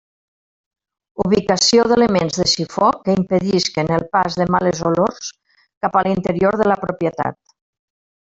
Ubicació d'elements de sifó que impedisquen el pas de males olors cap a l'interior de la propietat.